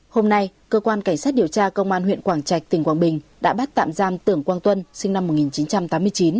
hôm nay cơ quan cảnh sát điều tra công an huyện quảng trạch tỉnh quảng bình đã bắt tạm giam tưởng quang tuân sinh năm một nghìn chín trăm tám mươi chín